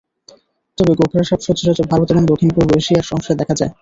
তবে গোখরা সাপ সচরাচর ভারত এবং দক্ষিণ-পূর্ব এশিয়ার অংশে দেখা যায়।